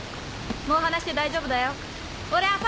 もう離して大丈夫だよオレ